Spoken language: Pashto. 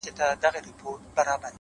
د لېونتوب اته شپيتمو دقيقو کي بند دی’